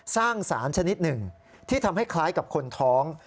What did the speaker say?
สร้างสารชนิดหนึ่งที่ทำให้คล้ายกับคนท้อง